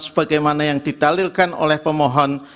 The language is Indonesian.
sebagaimana yang didalilkan oleh pemohon